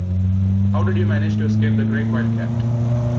How did you manage to escape the great Wildcat?